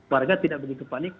warga tidak begitu panik